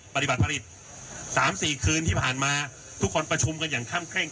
ปฏิบัติผลิต๓๔คืนที่ผ่านมาทุกคนประชุมกันอย่างค่ำเคร่ง